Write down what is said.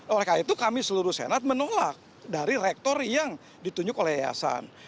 oleh karena itu kami seluruh senat menolak dari rektor yang ditunjuk oleh yayasan